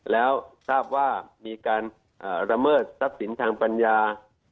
แล้วทราบว่ามีการละเมิดทรัพย์สินทางปัญญา